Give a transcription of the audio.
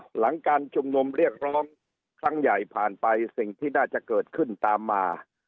หลังการชุมนุมเรียกร้องครั้งใหญ่ผ่านไปสิ่งที่น่าจะเกิดขึ้นตามมา